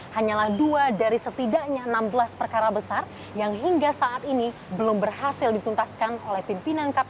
hanyalah dua dari setidaknya enam belas perkara besar yang hingga saat ini belum berhasil dituntaskan oleh pimpinan kpk jelit empat era agus raharjo